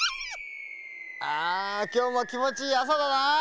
ああきょうもきもちいいあさだな。